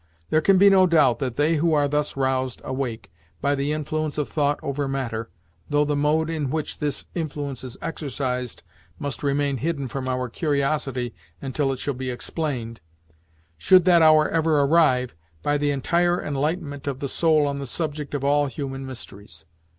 There can be no doubt that they who are thus roused awake by the influence of thought over matter, though the mode in which this influence is exercised must remain hidden from our curiosity until it shall be explained, should that hour ever arrive, by the entire enlightenment of the soul on the subject of all human mysteries.